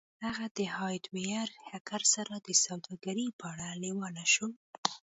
هغه د هارډویر هیکر سره د سوداګرۍ په اړه لیواله شو